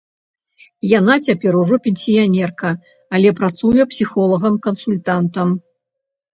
Яна цяпер ужо пенсіянерка, але працуе псіхолагам-кансультантам.